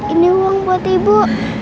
ini uang buat ibu